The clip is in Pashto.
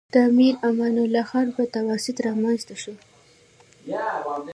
د امیر امان الله خان په تواسط رامنځته شو.